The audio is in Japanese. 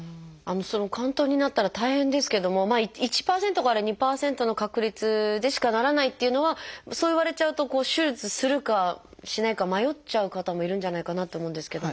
その嵌頓になったら大変ですけどもまあ１％から２％の確率でしかならないっていうのはそう言われちゃうと手術するかしないか迷っちゃう方もいるんじゃないかなって思うんですけども。